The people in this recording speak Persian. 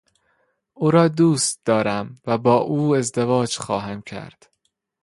او را دوست دارم و با او ازدواج خواهم کرد.